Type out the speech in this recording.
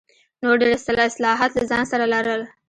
نور ډېر اصلاحات له ځان سره لرل.